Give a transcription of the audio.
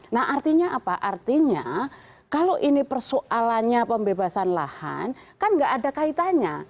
nah artinya apa artinya kalau ini persoalannya pembebasan lahan kan nggak ada kaitannya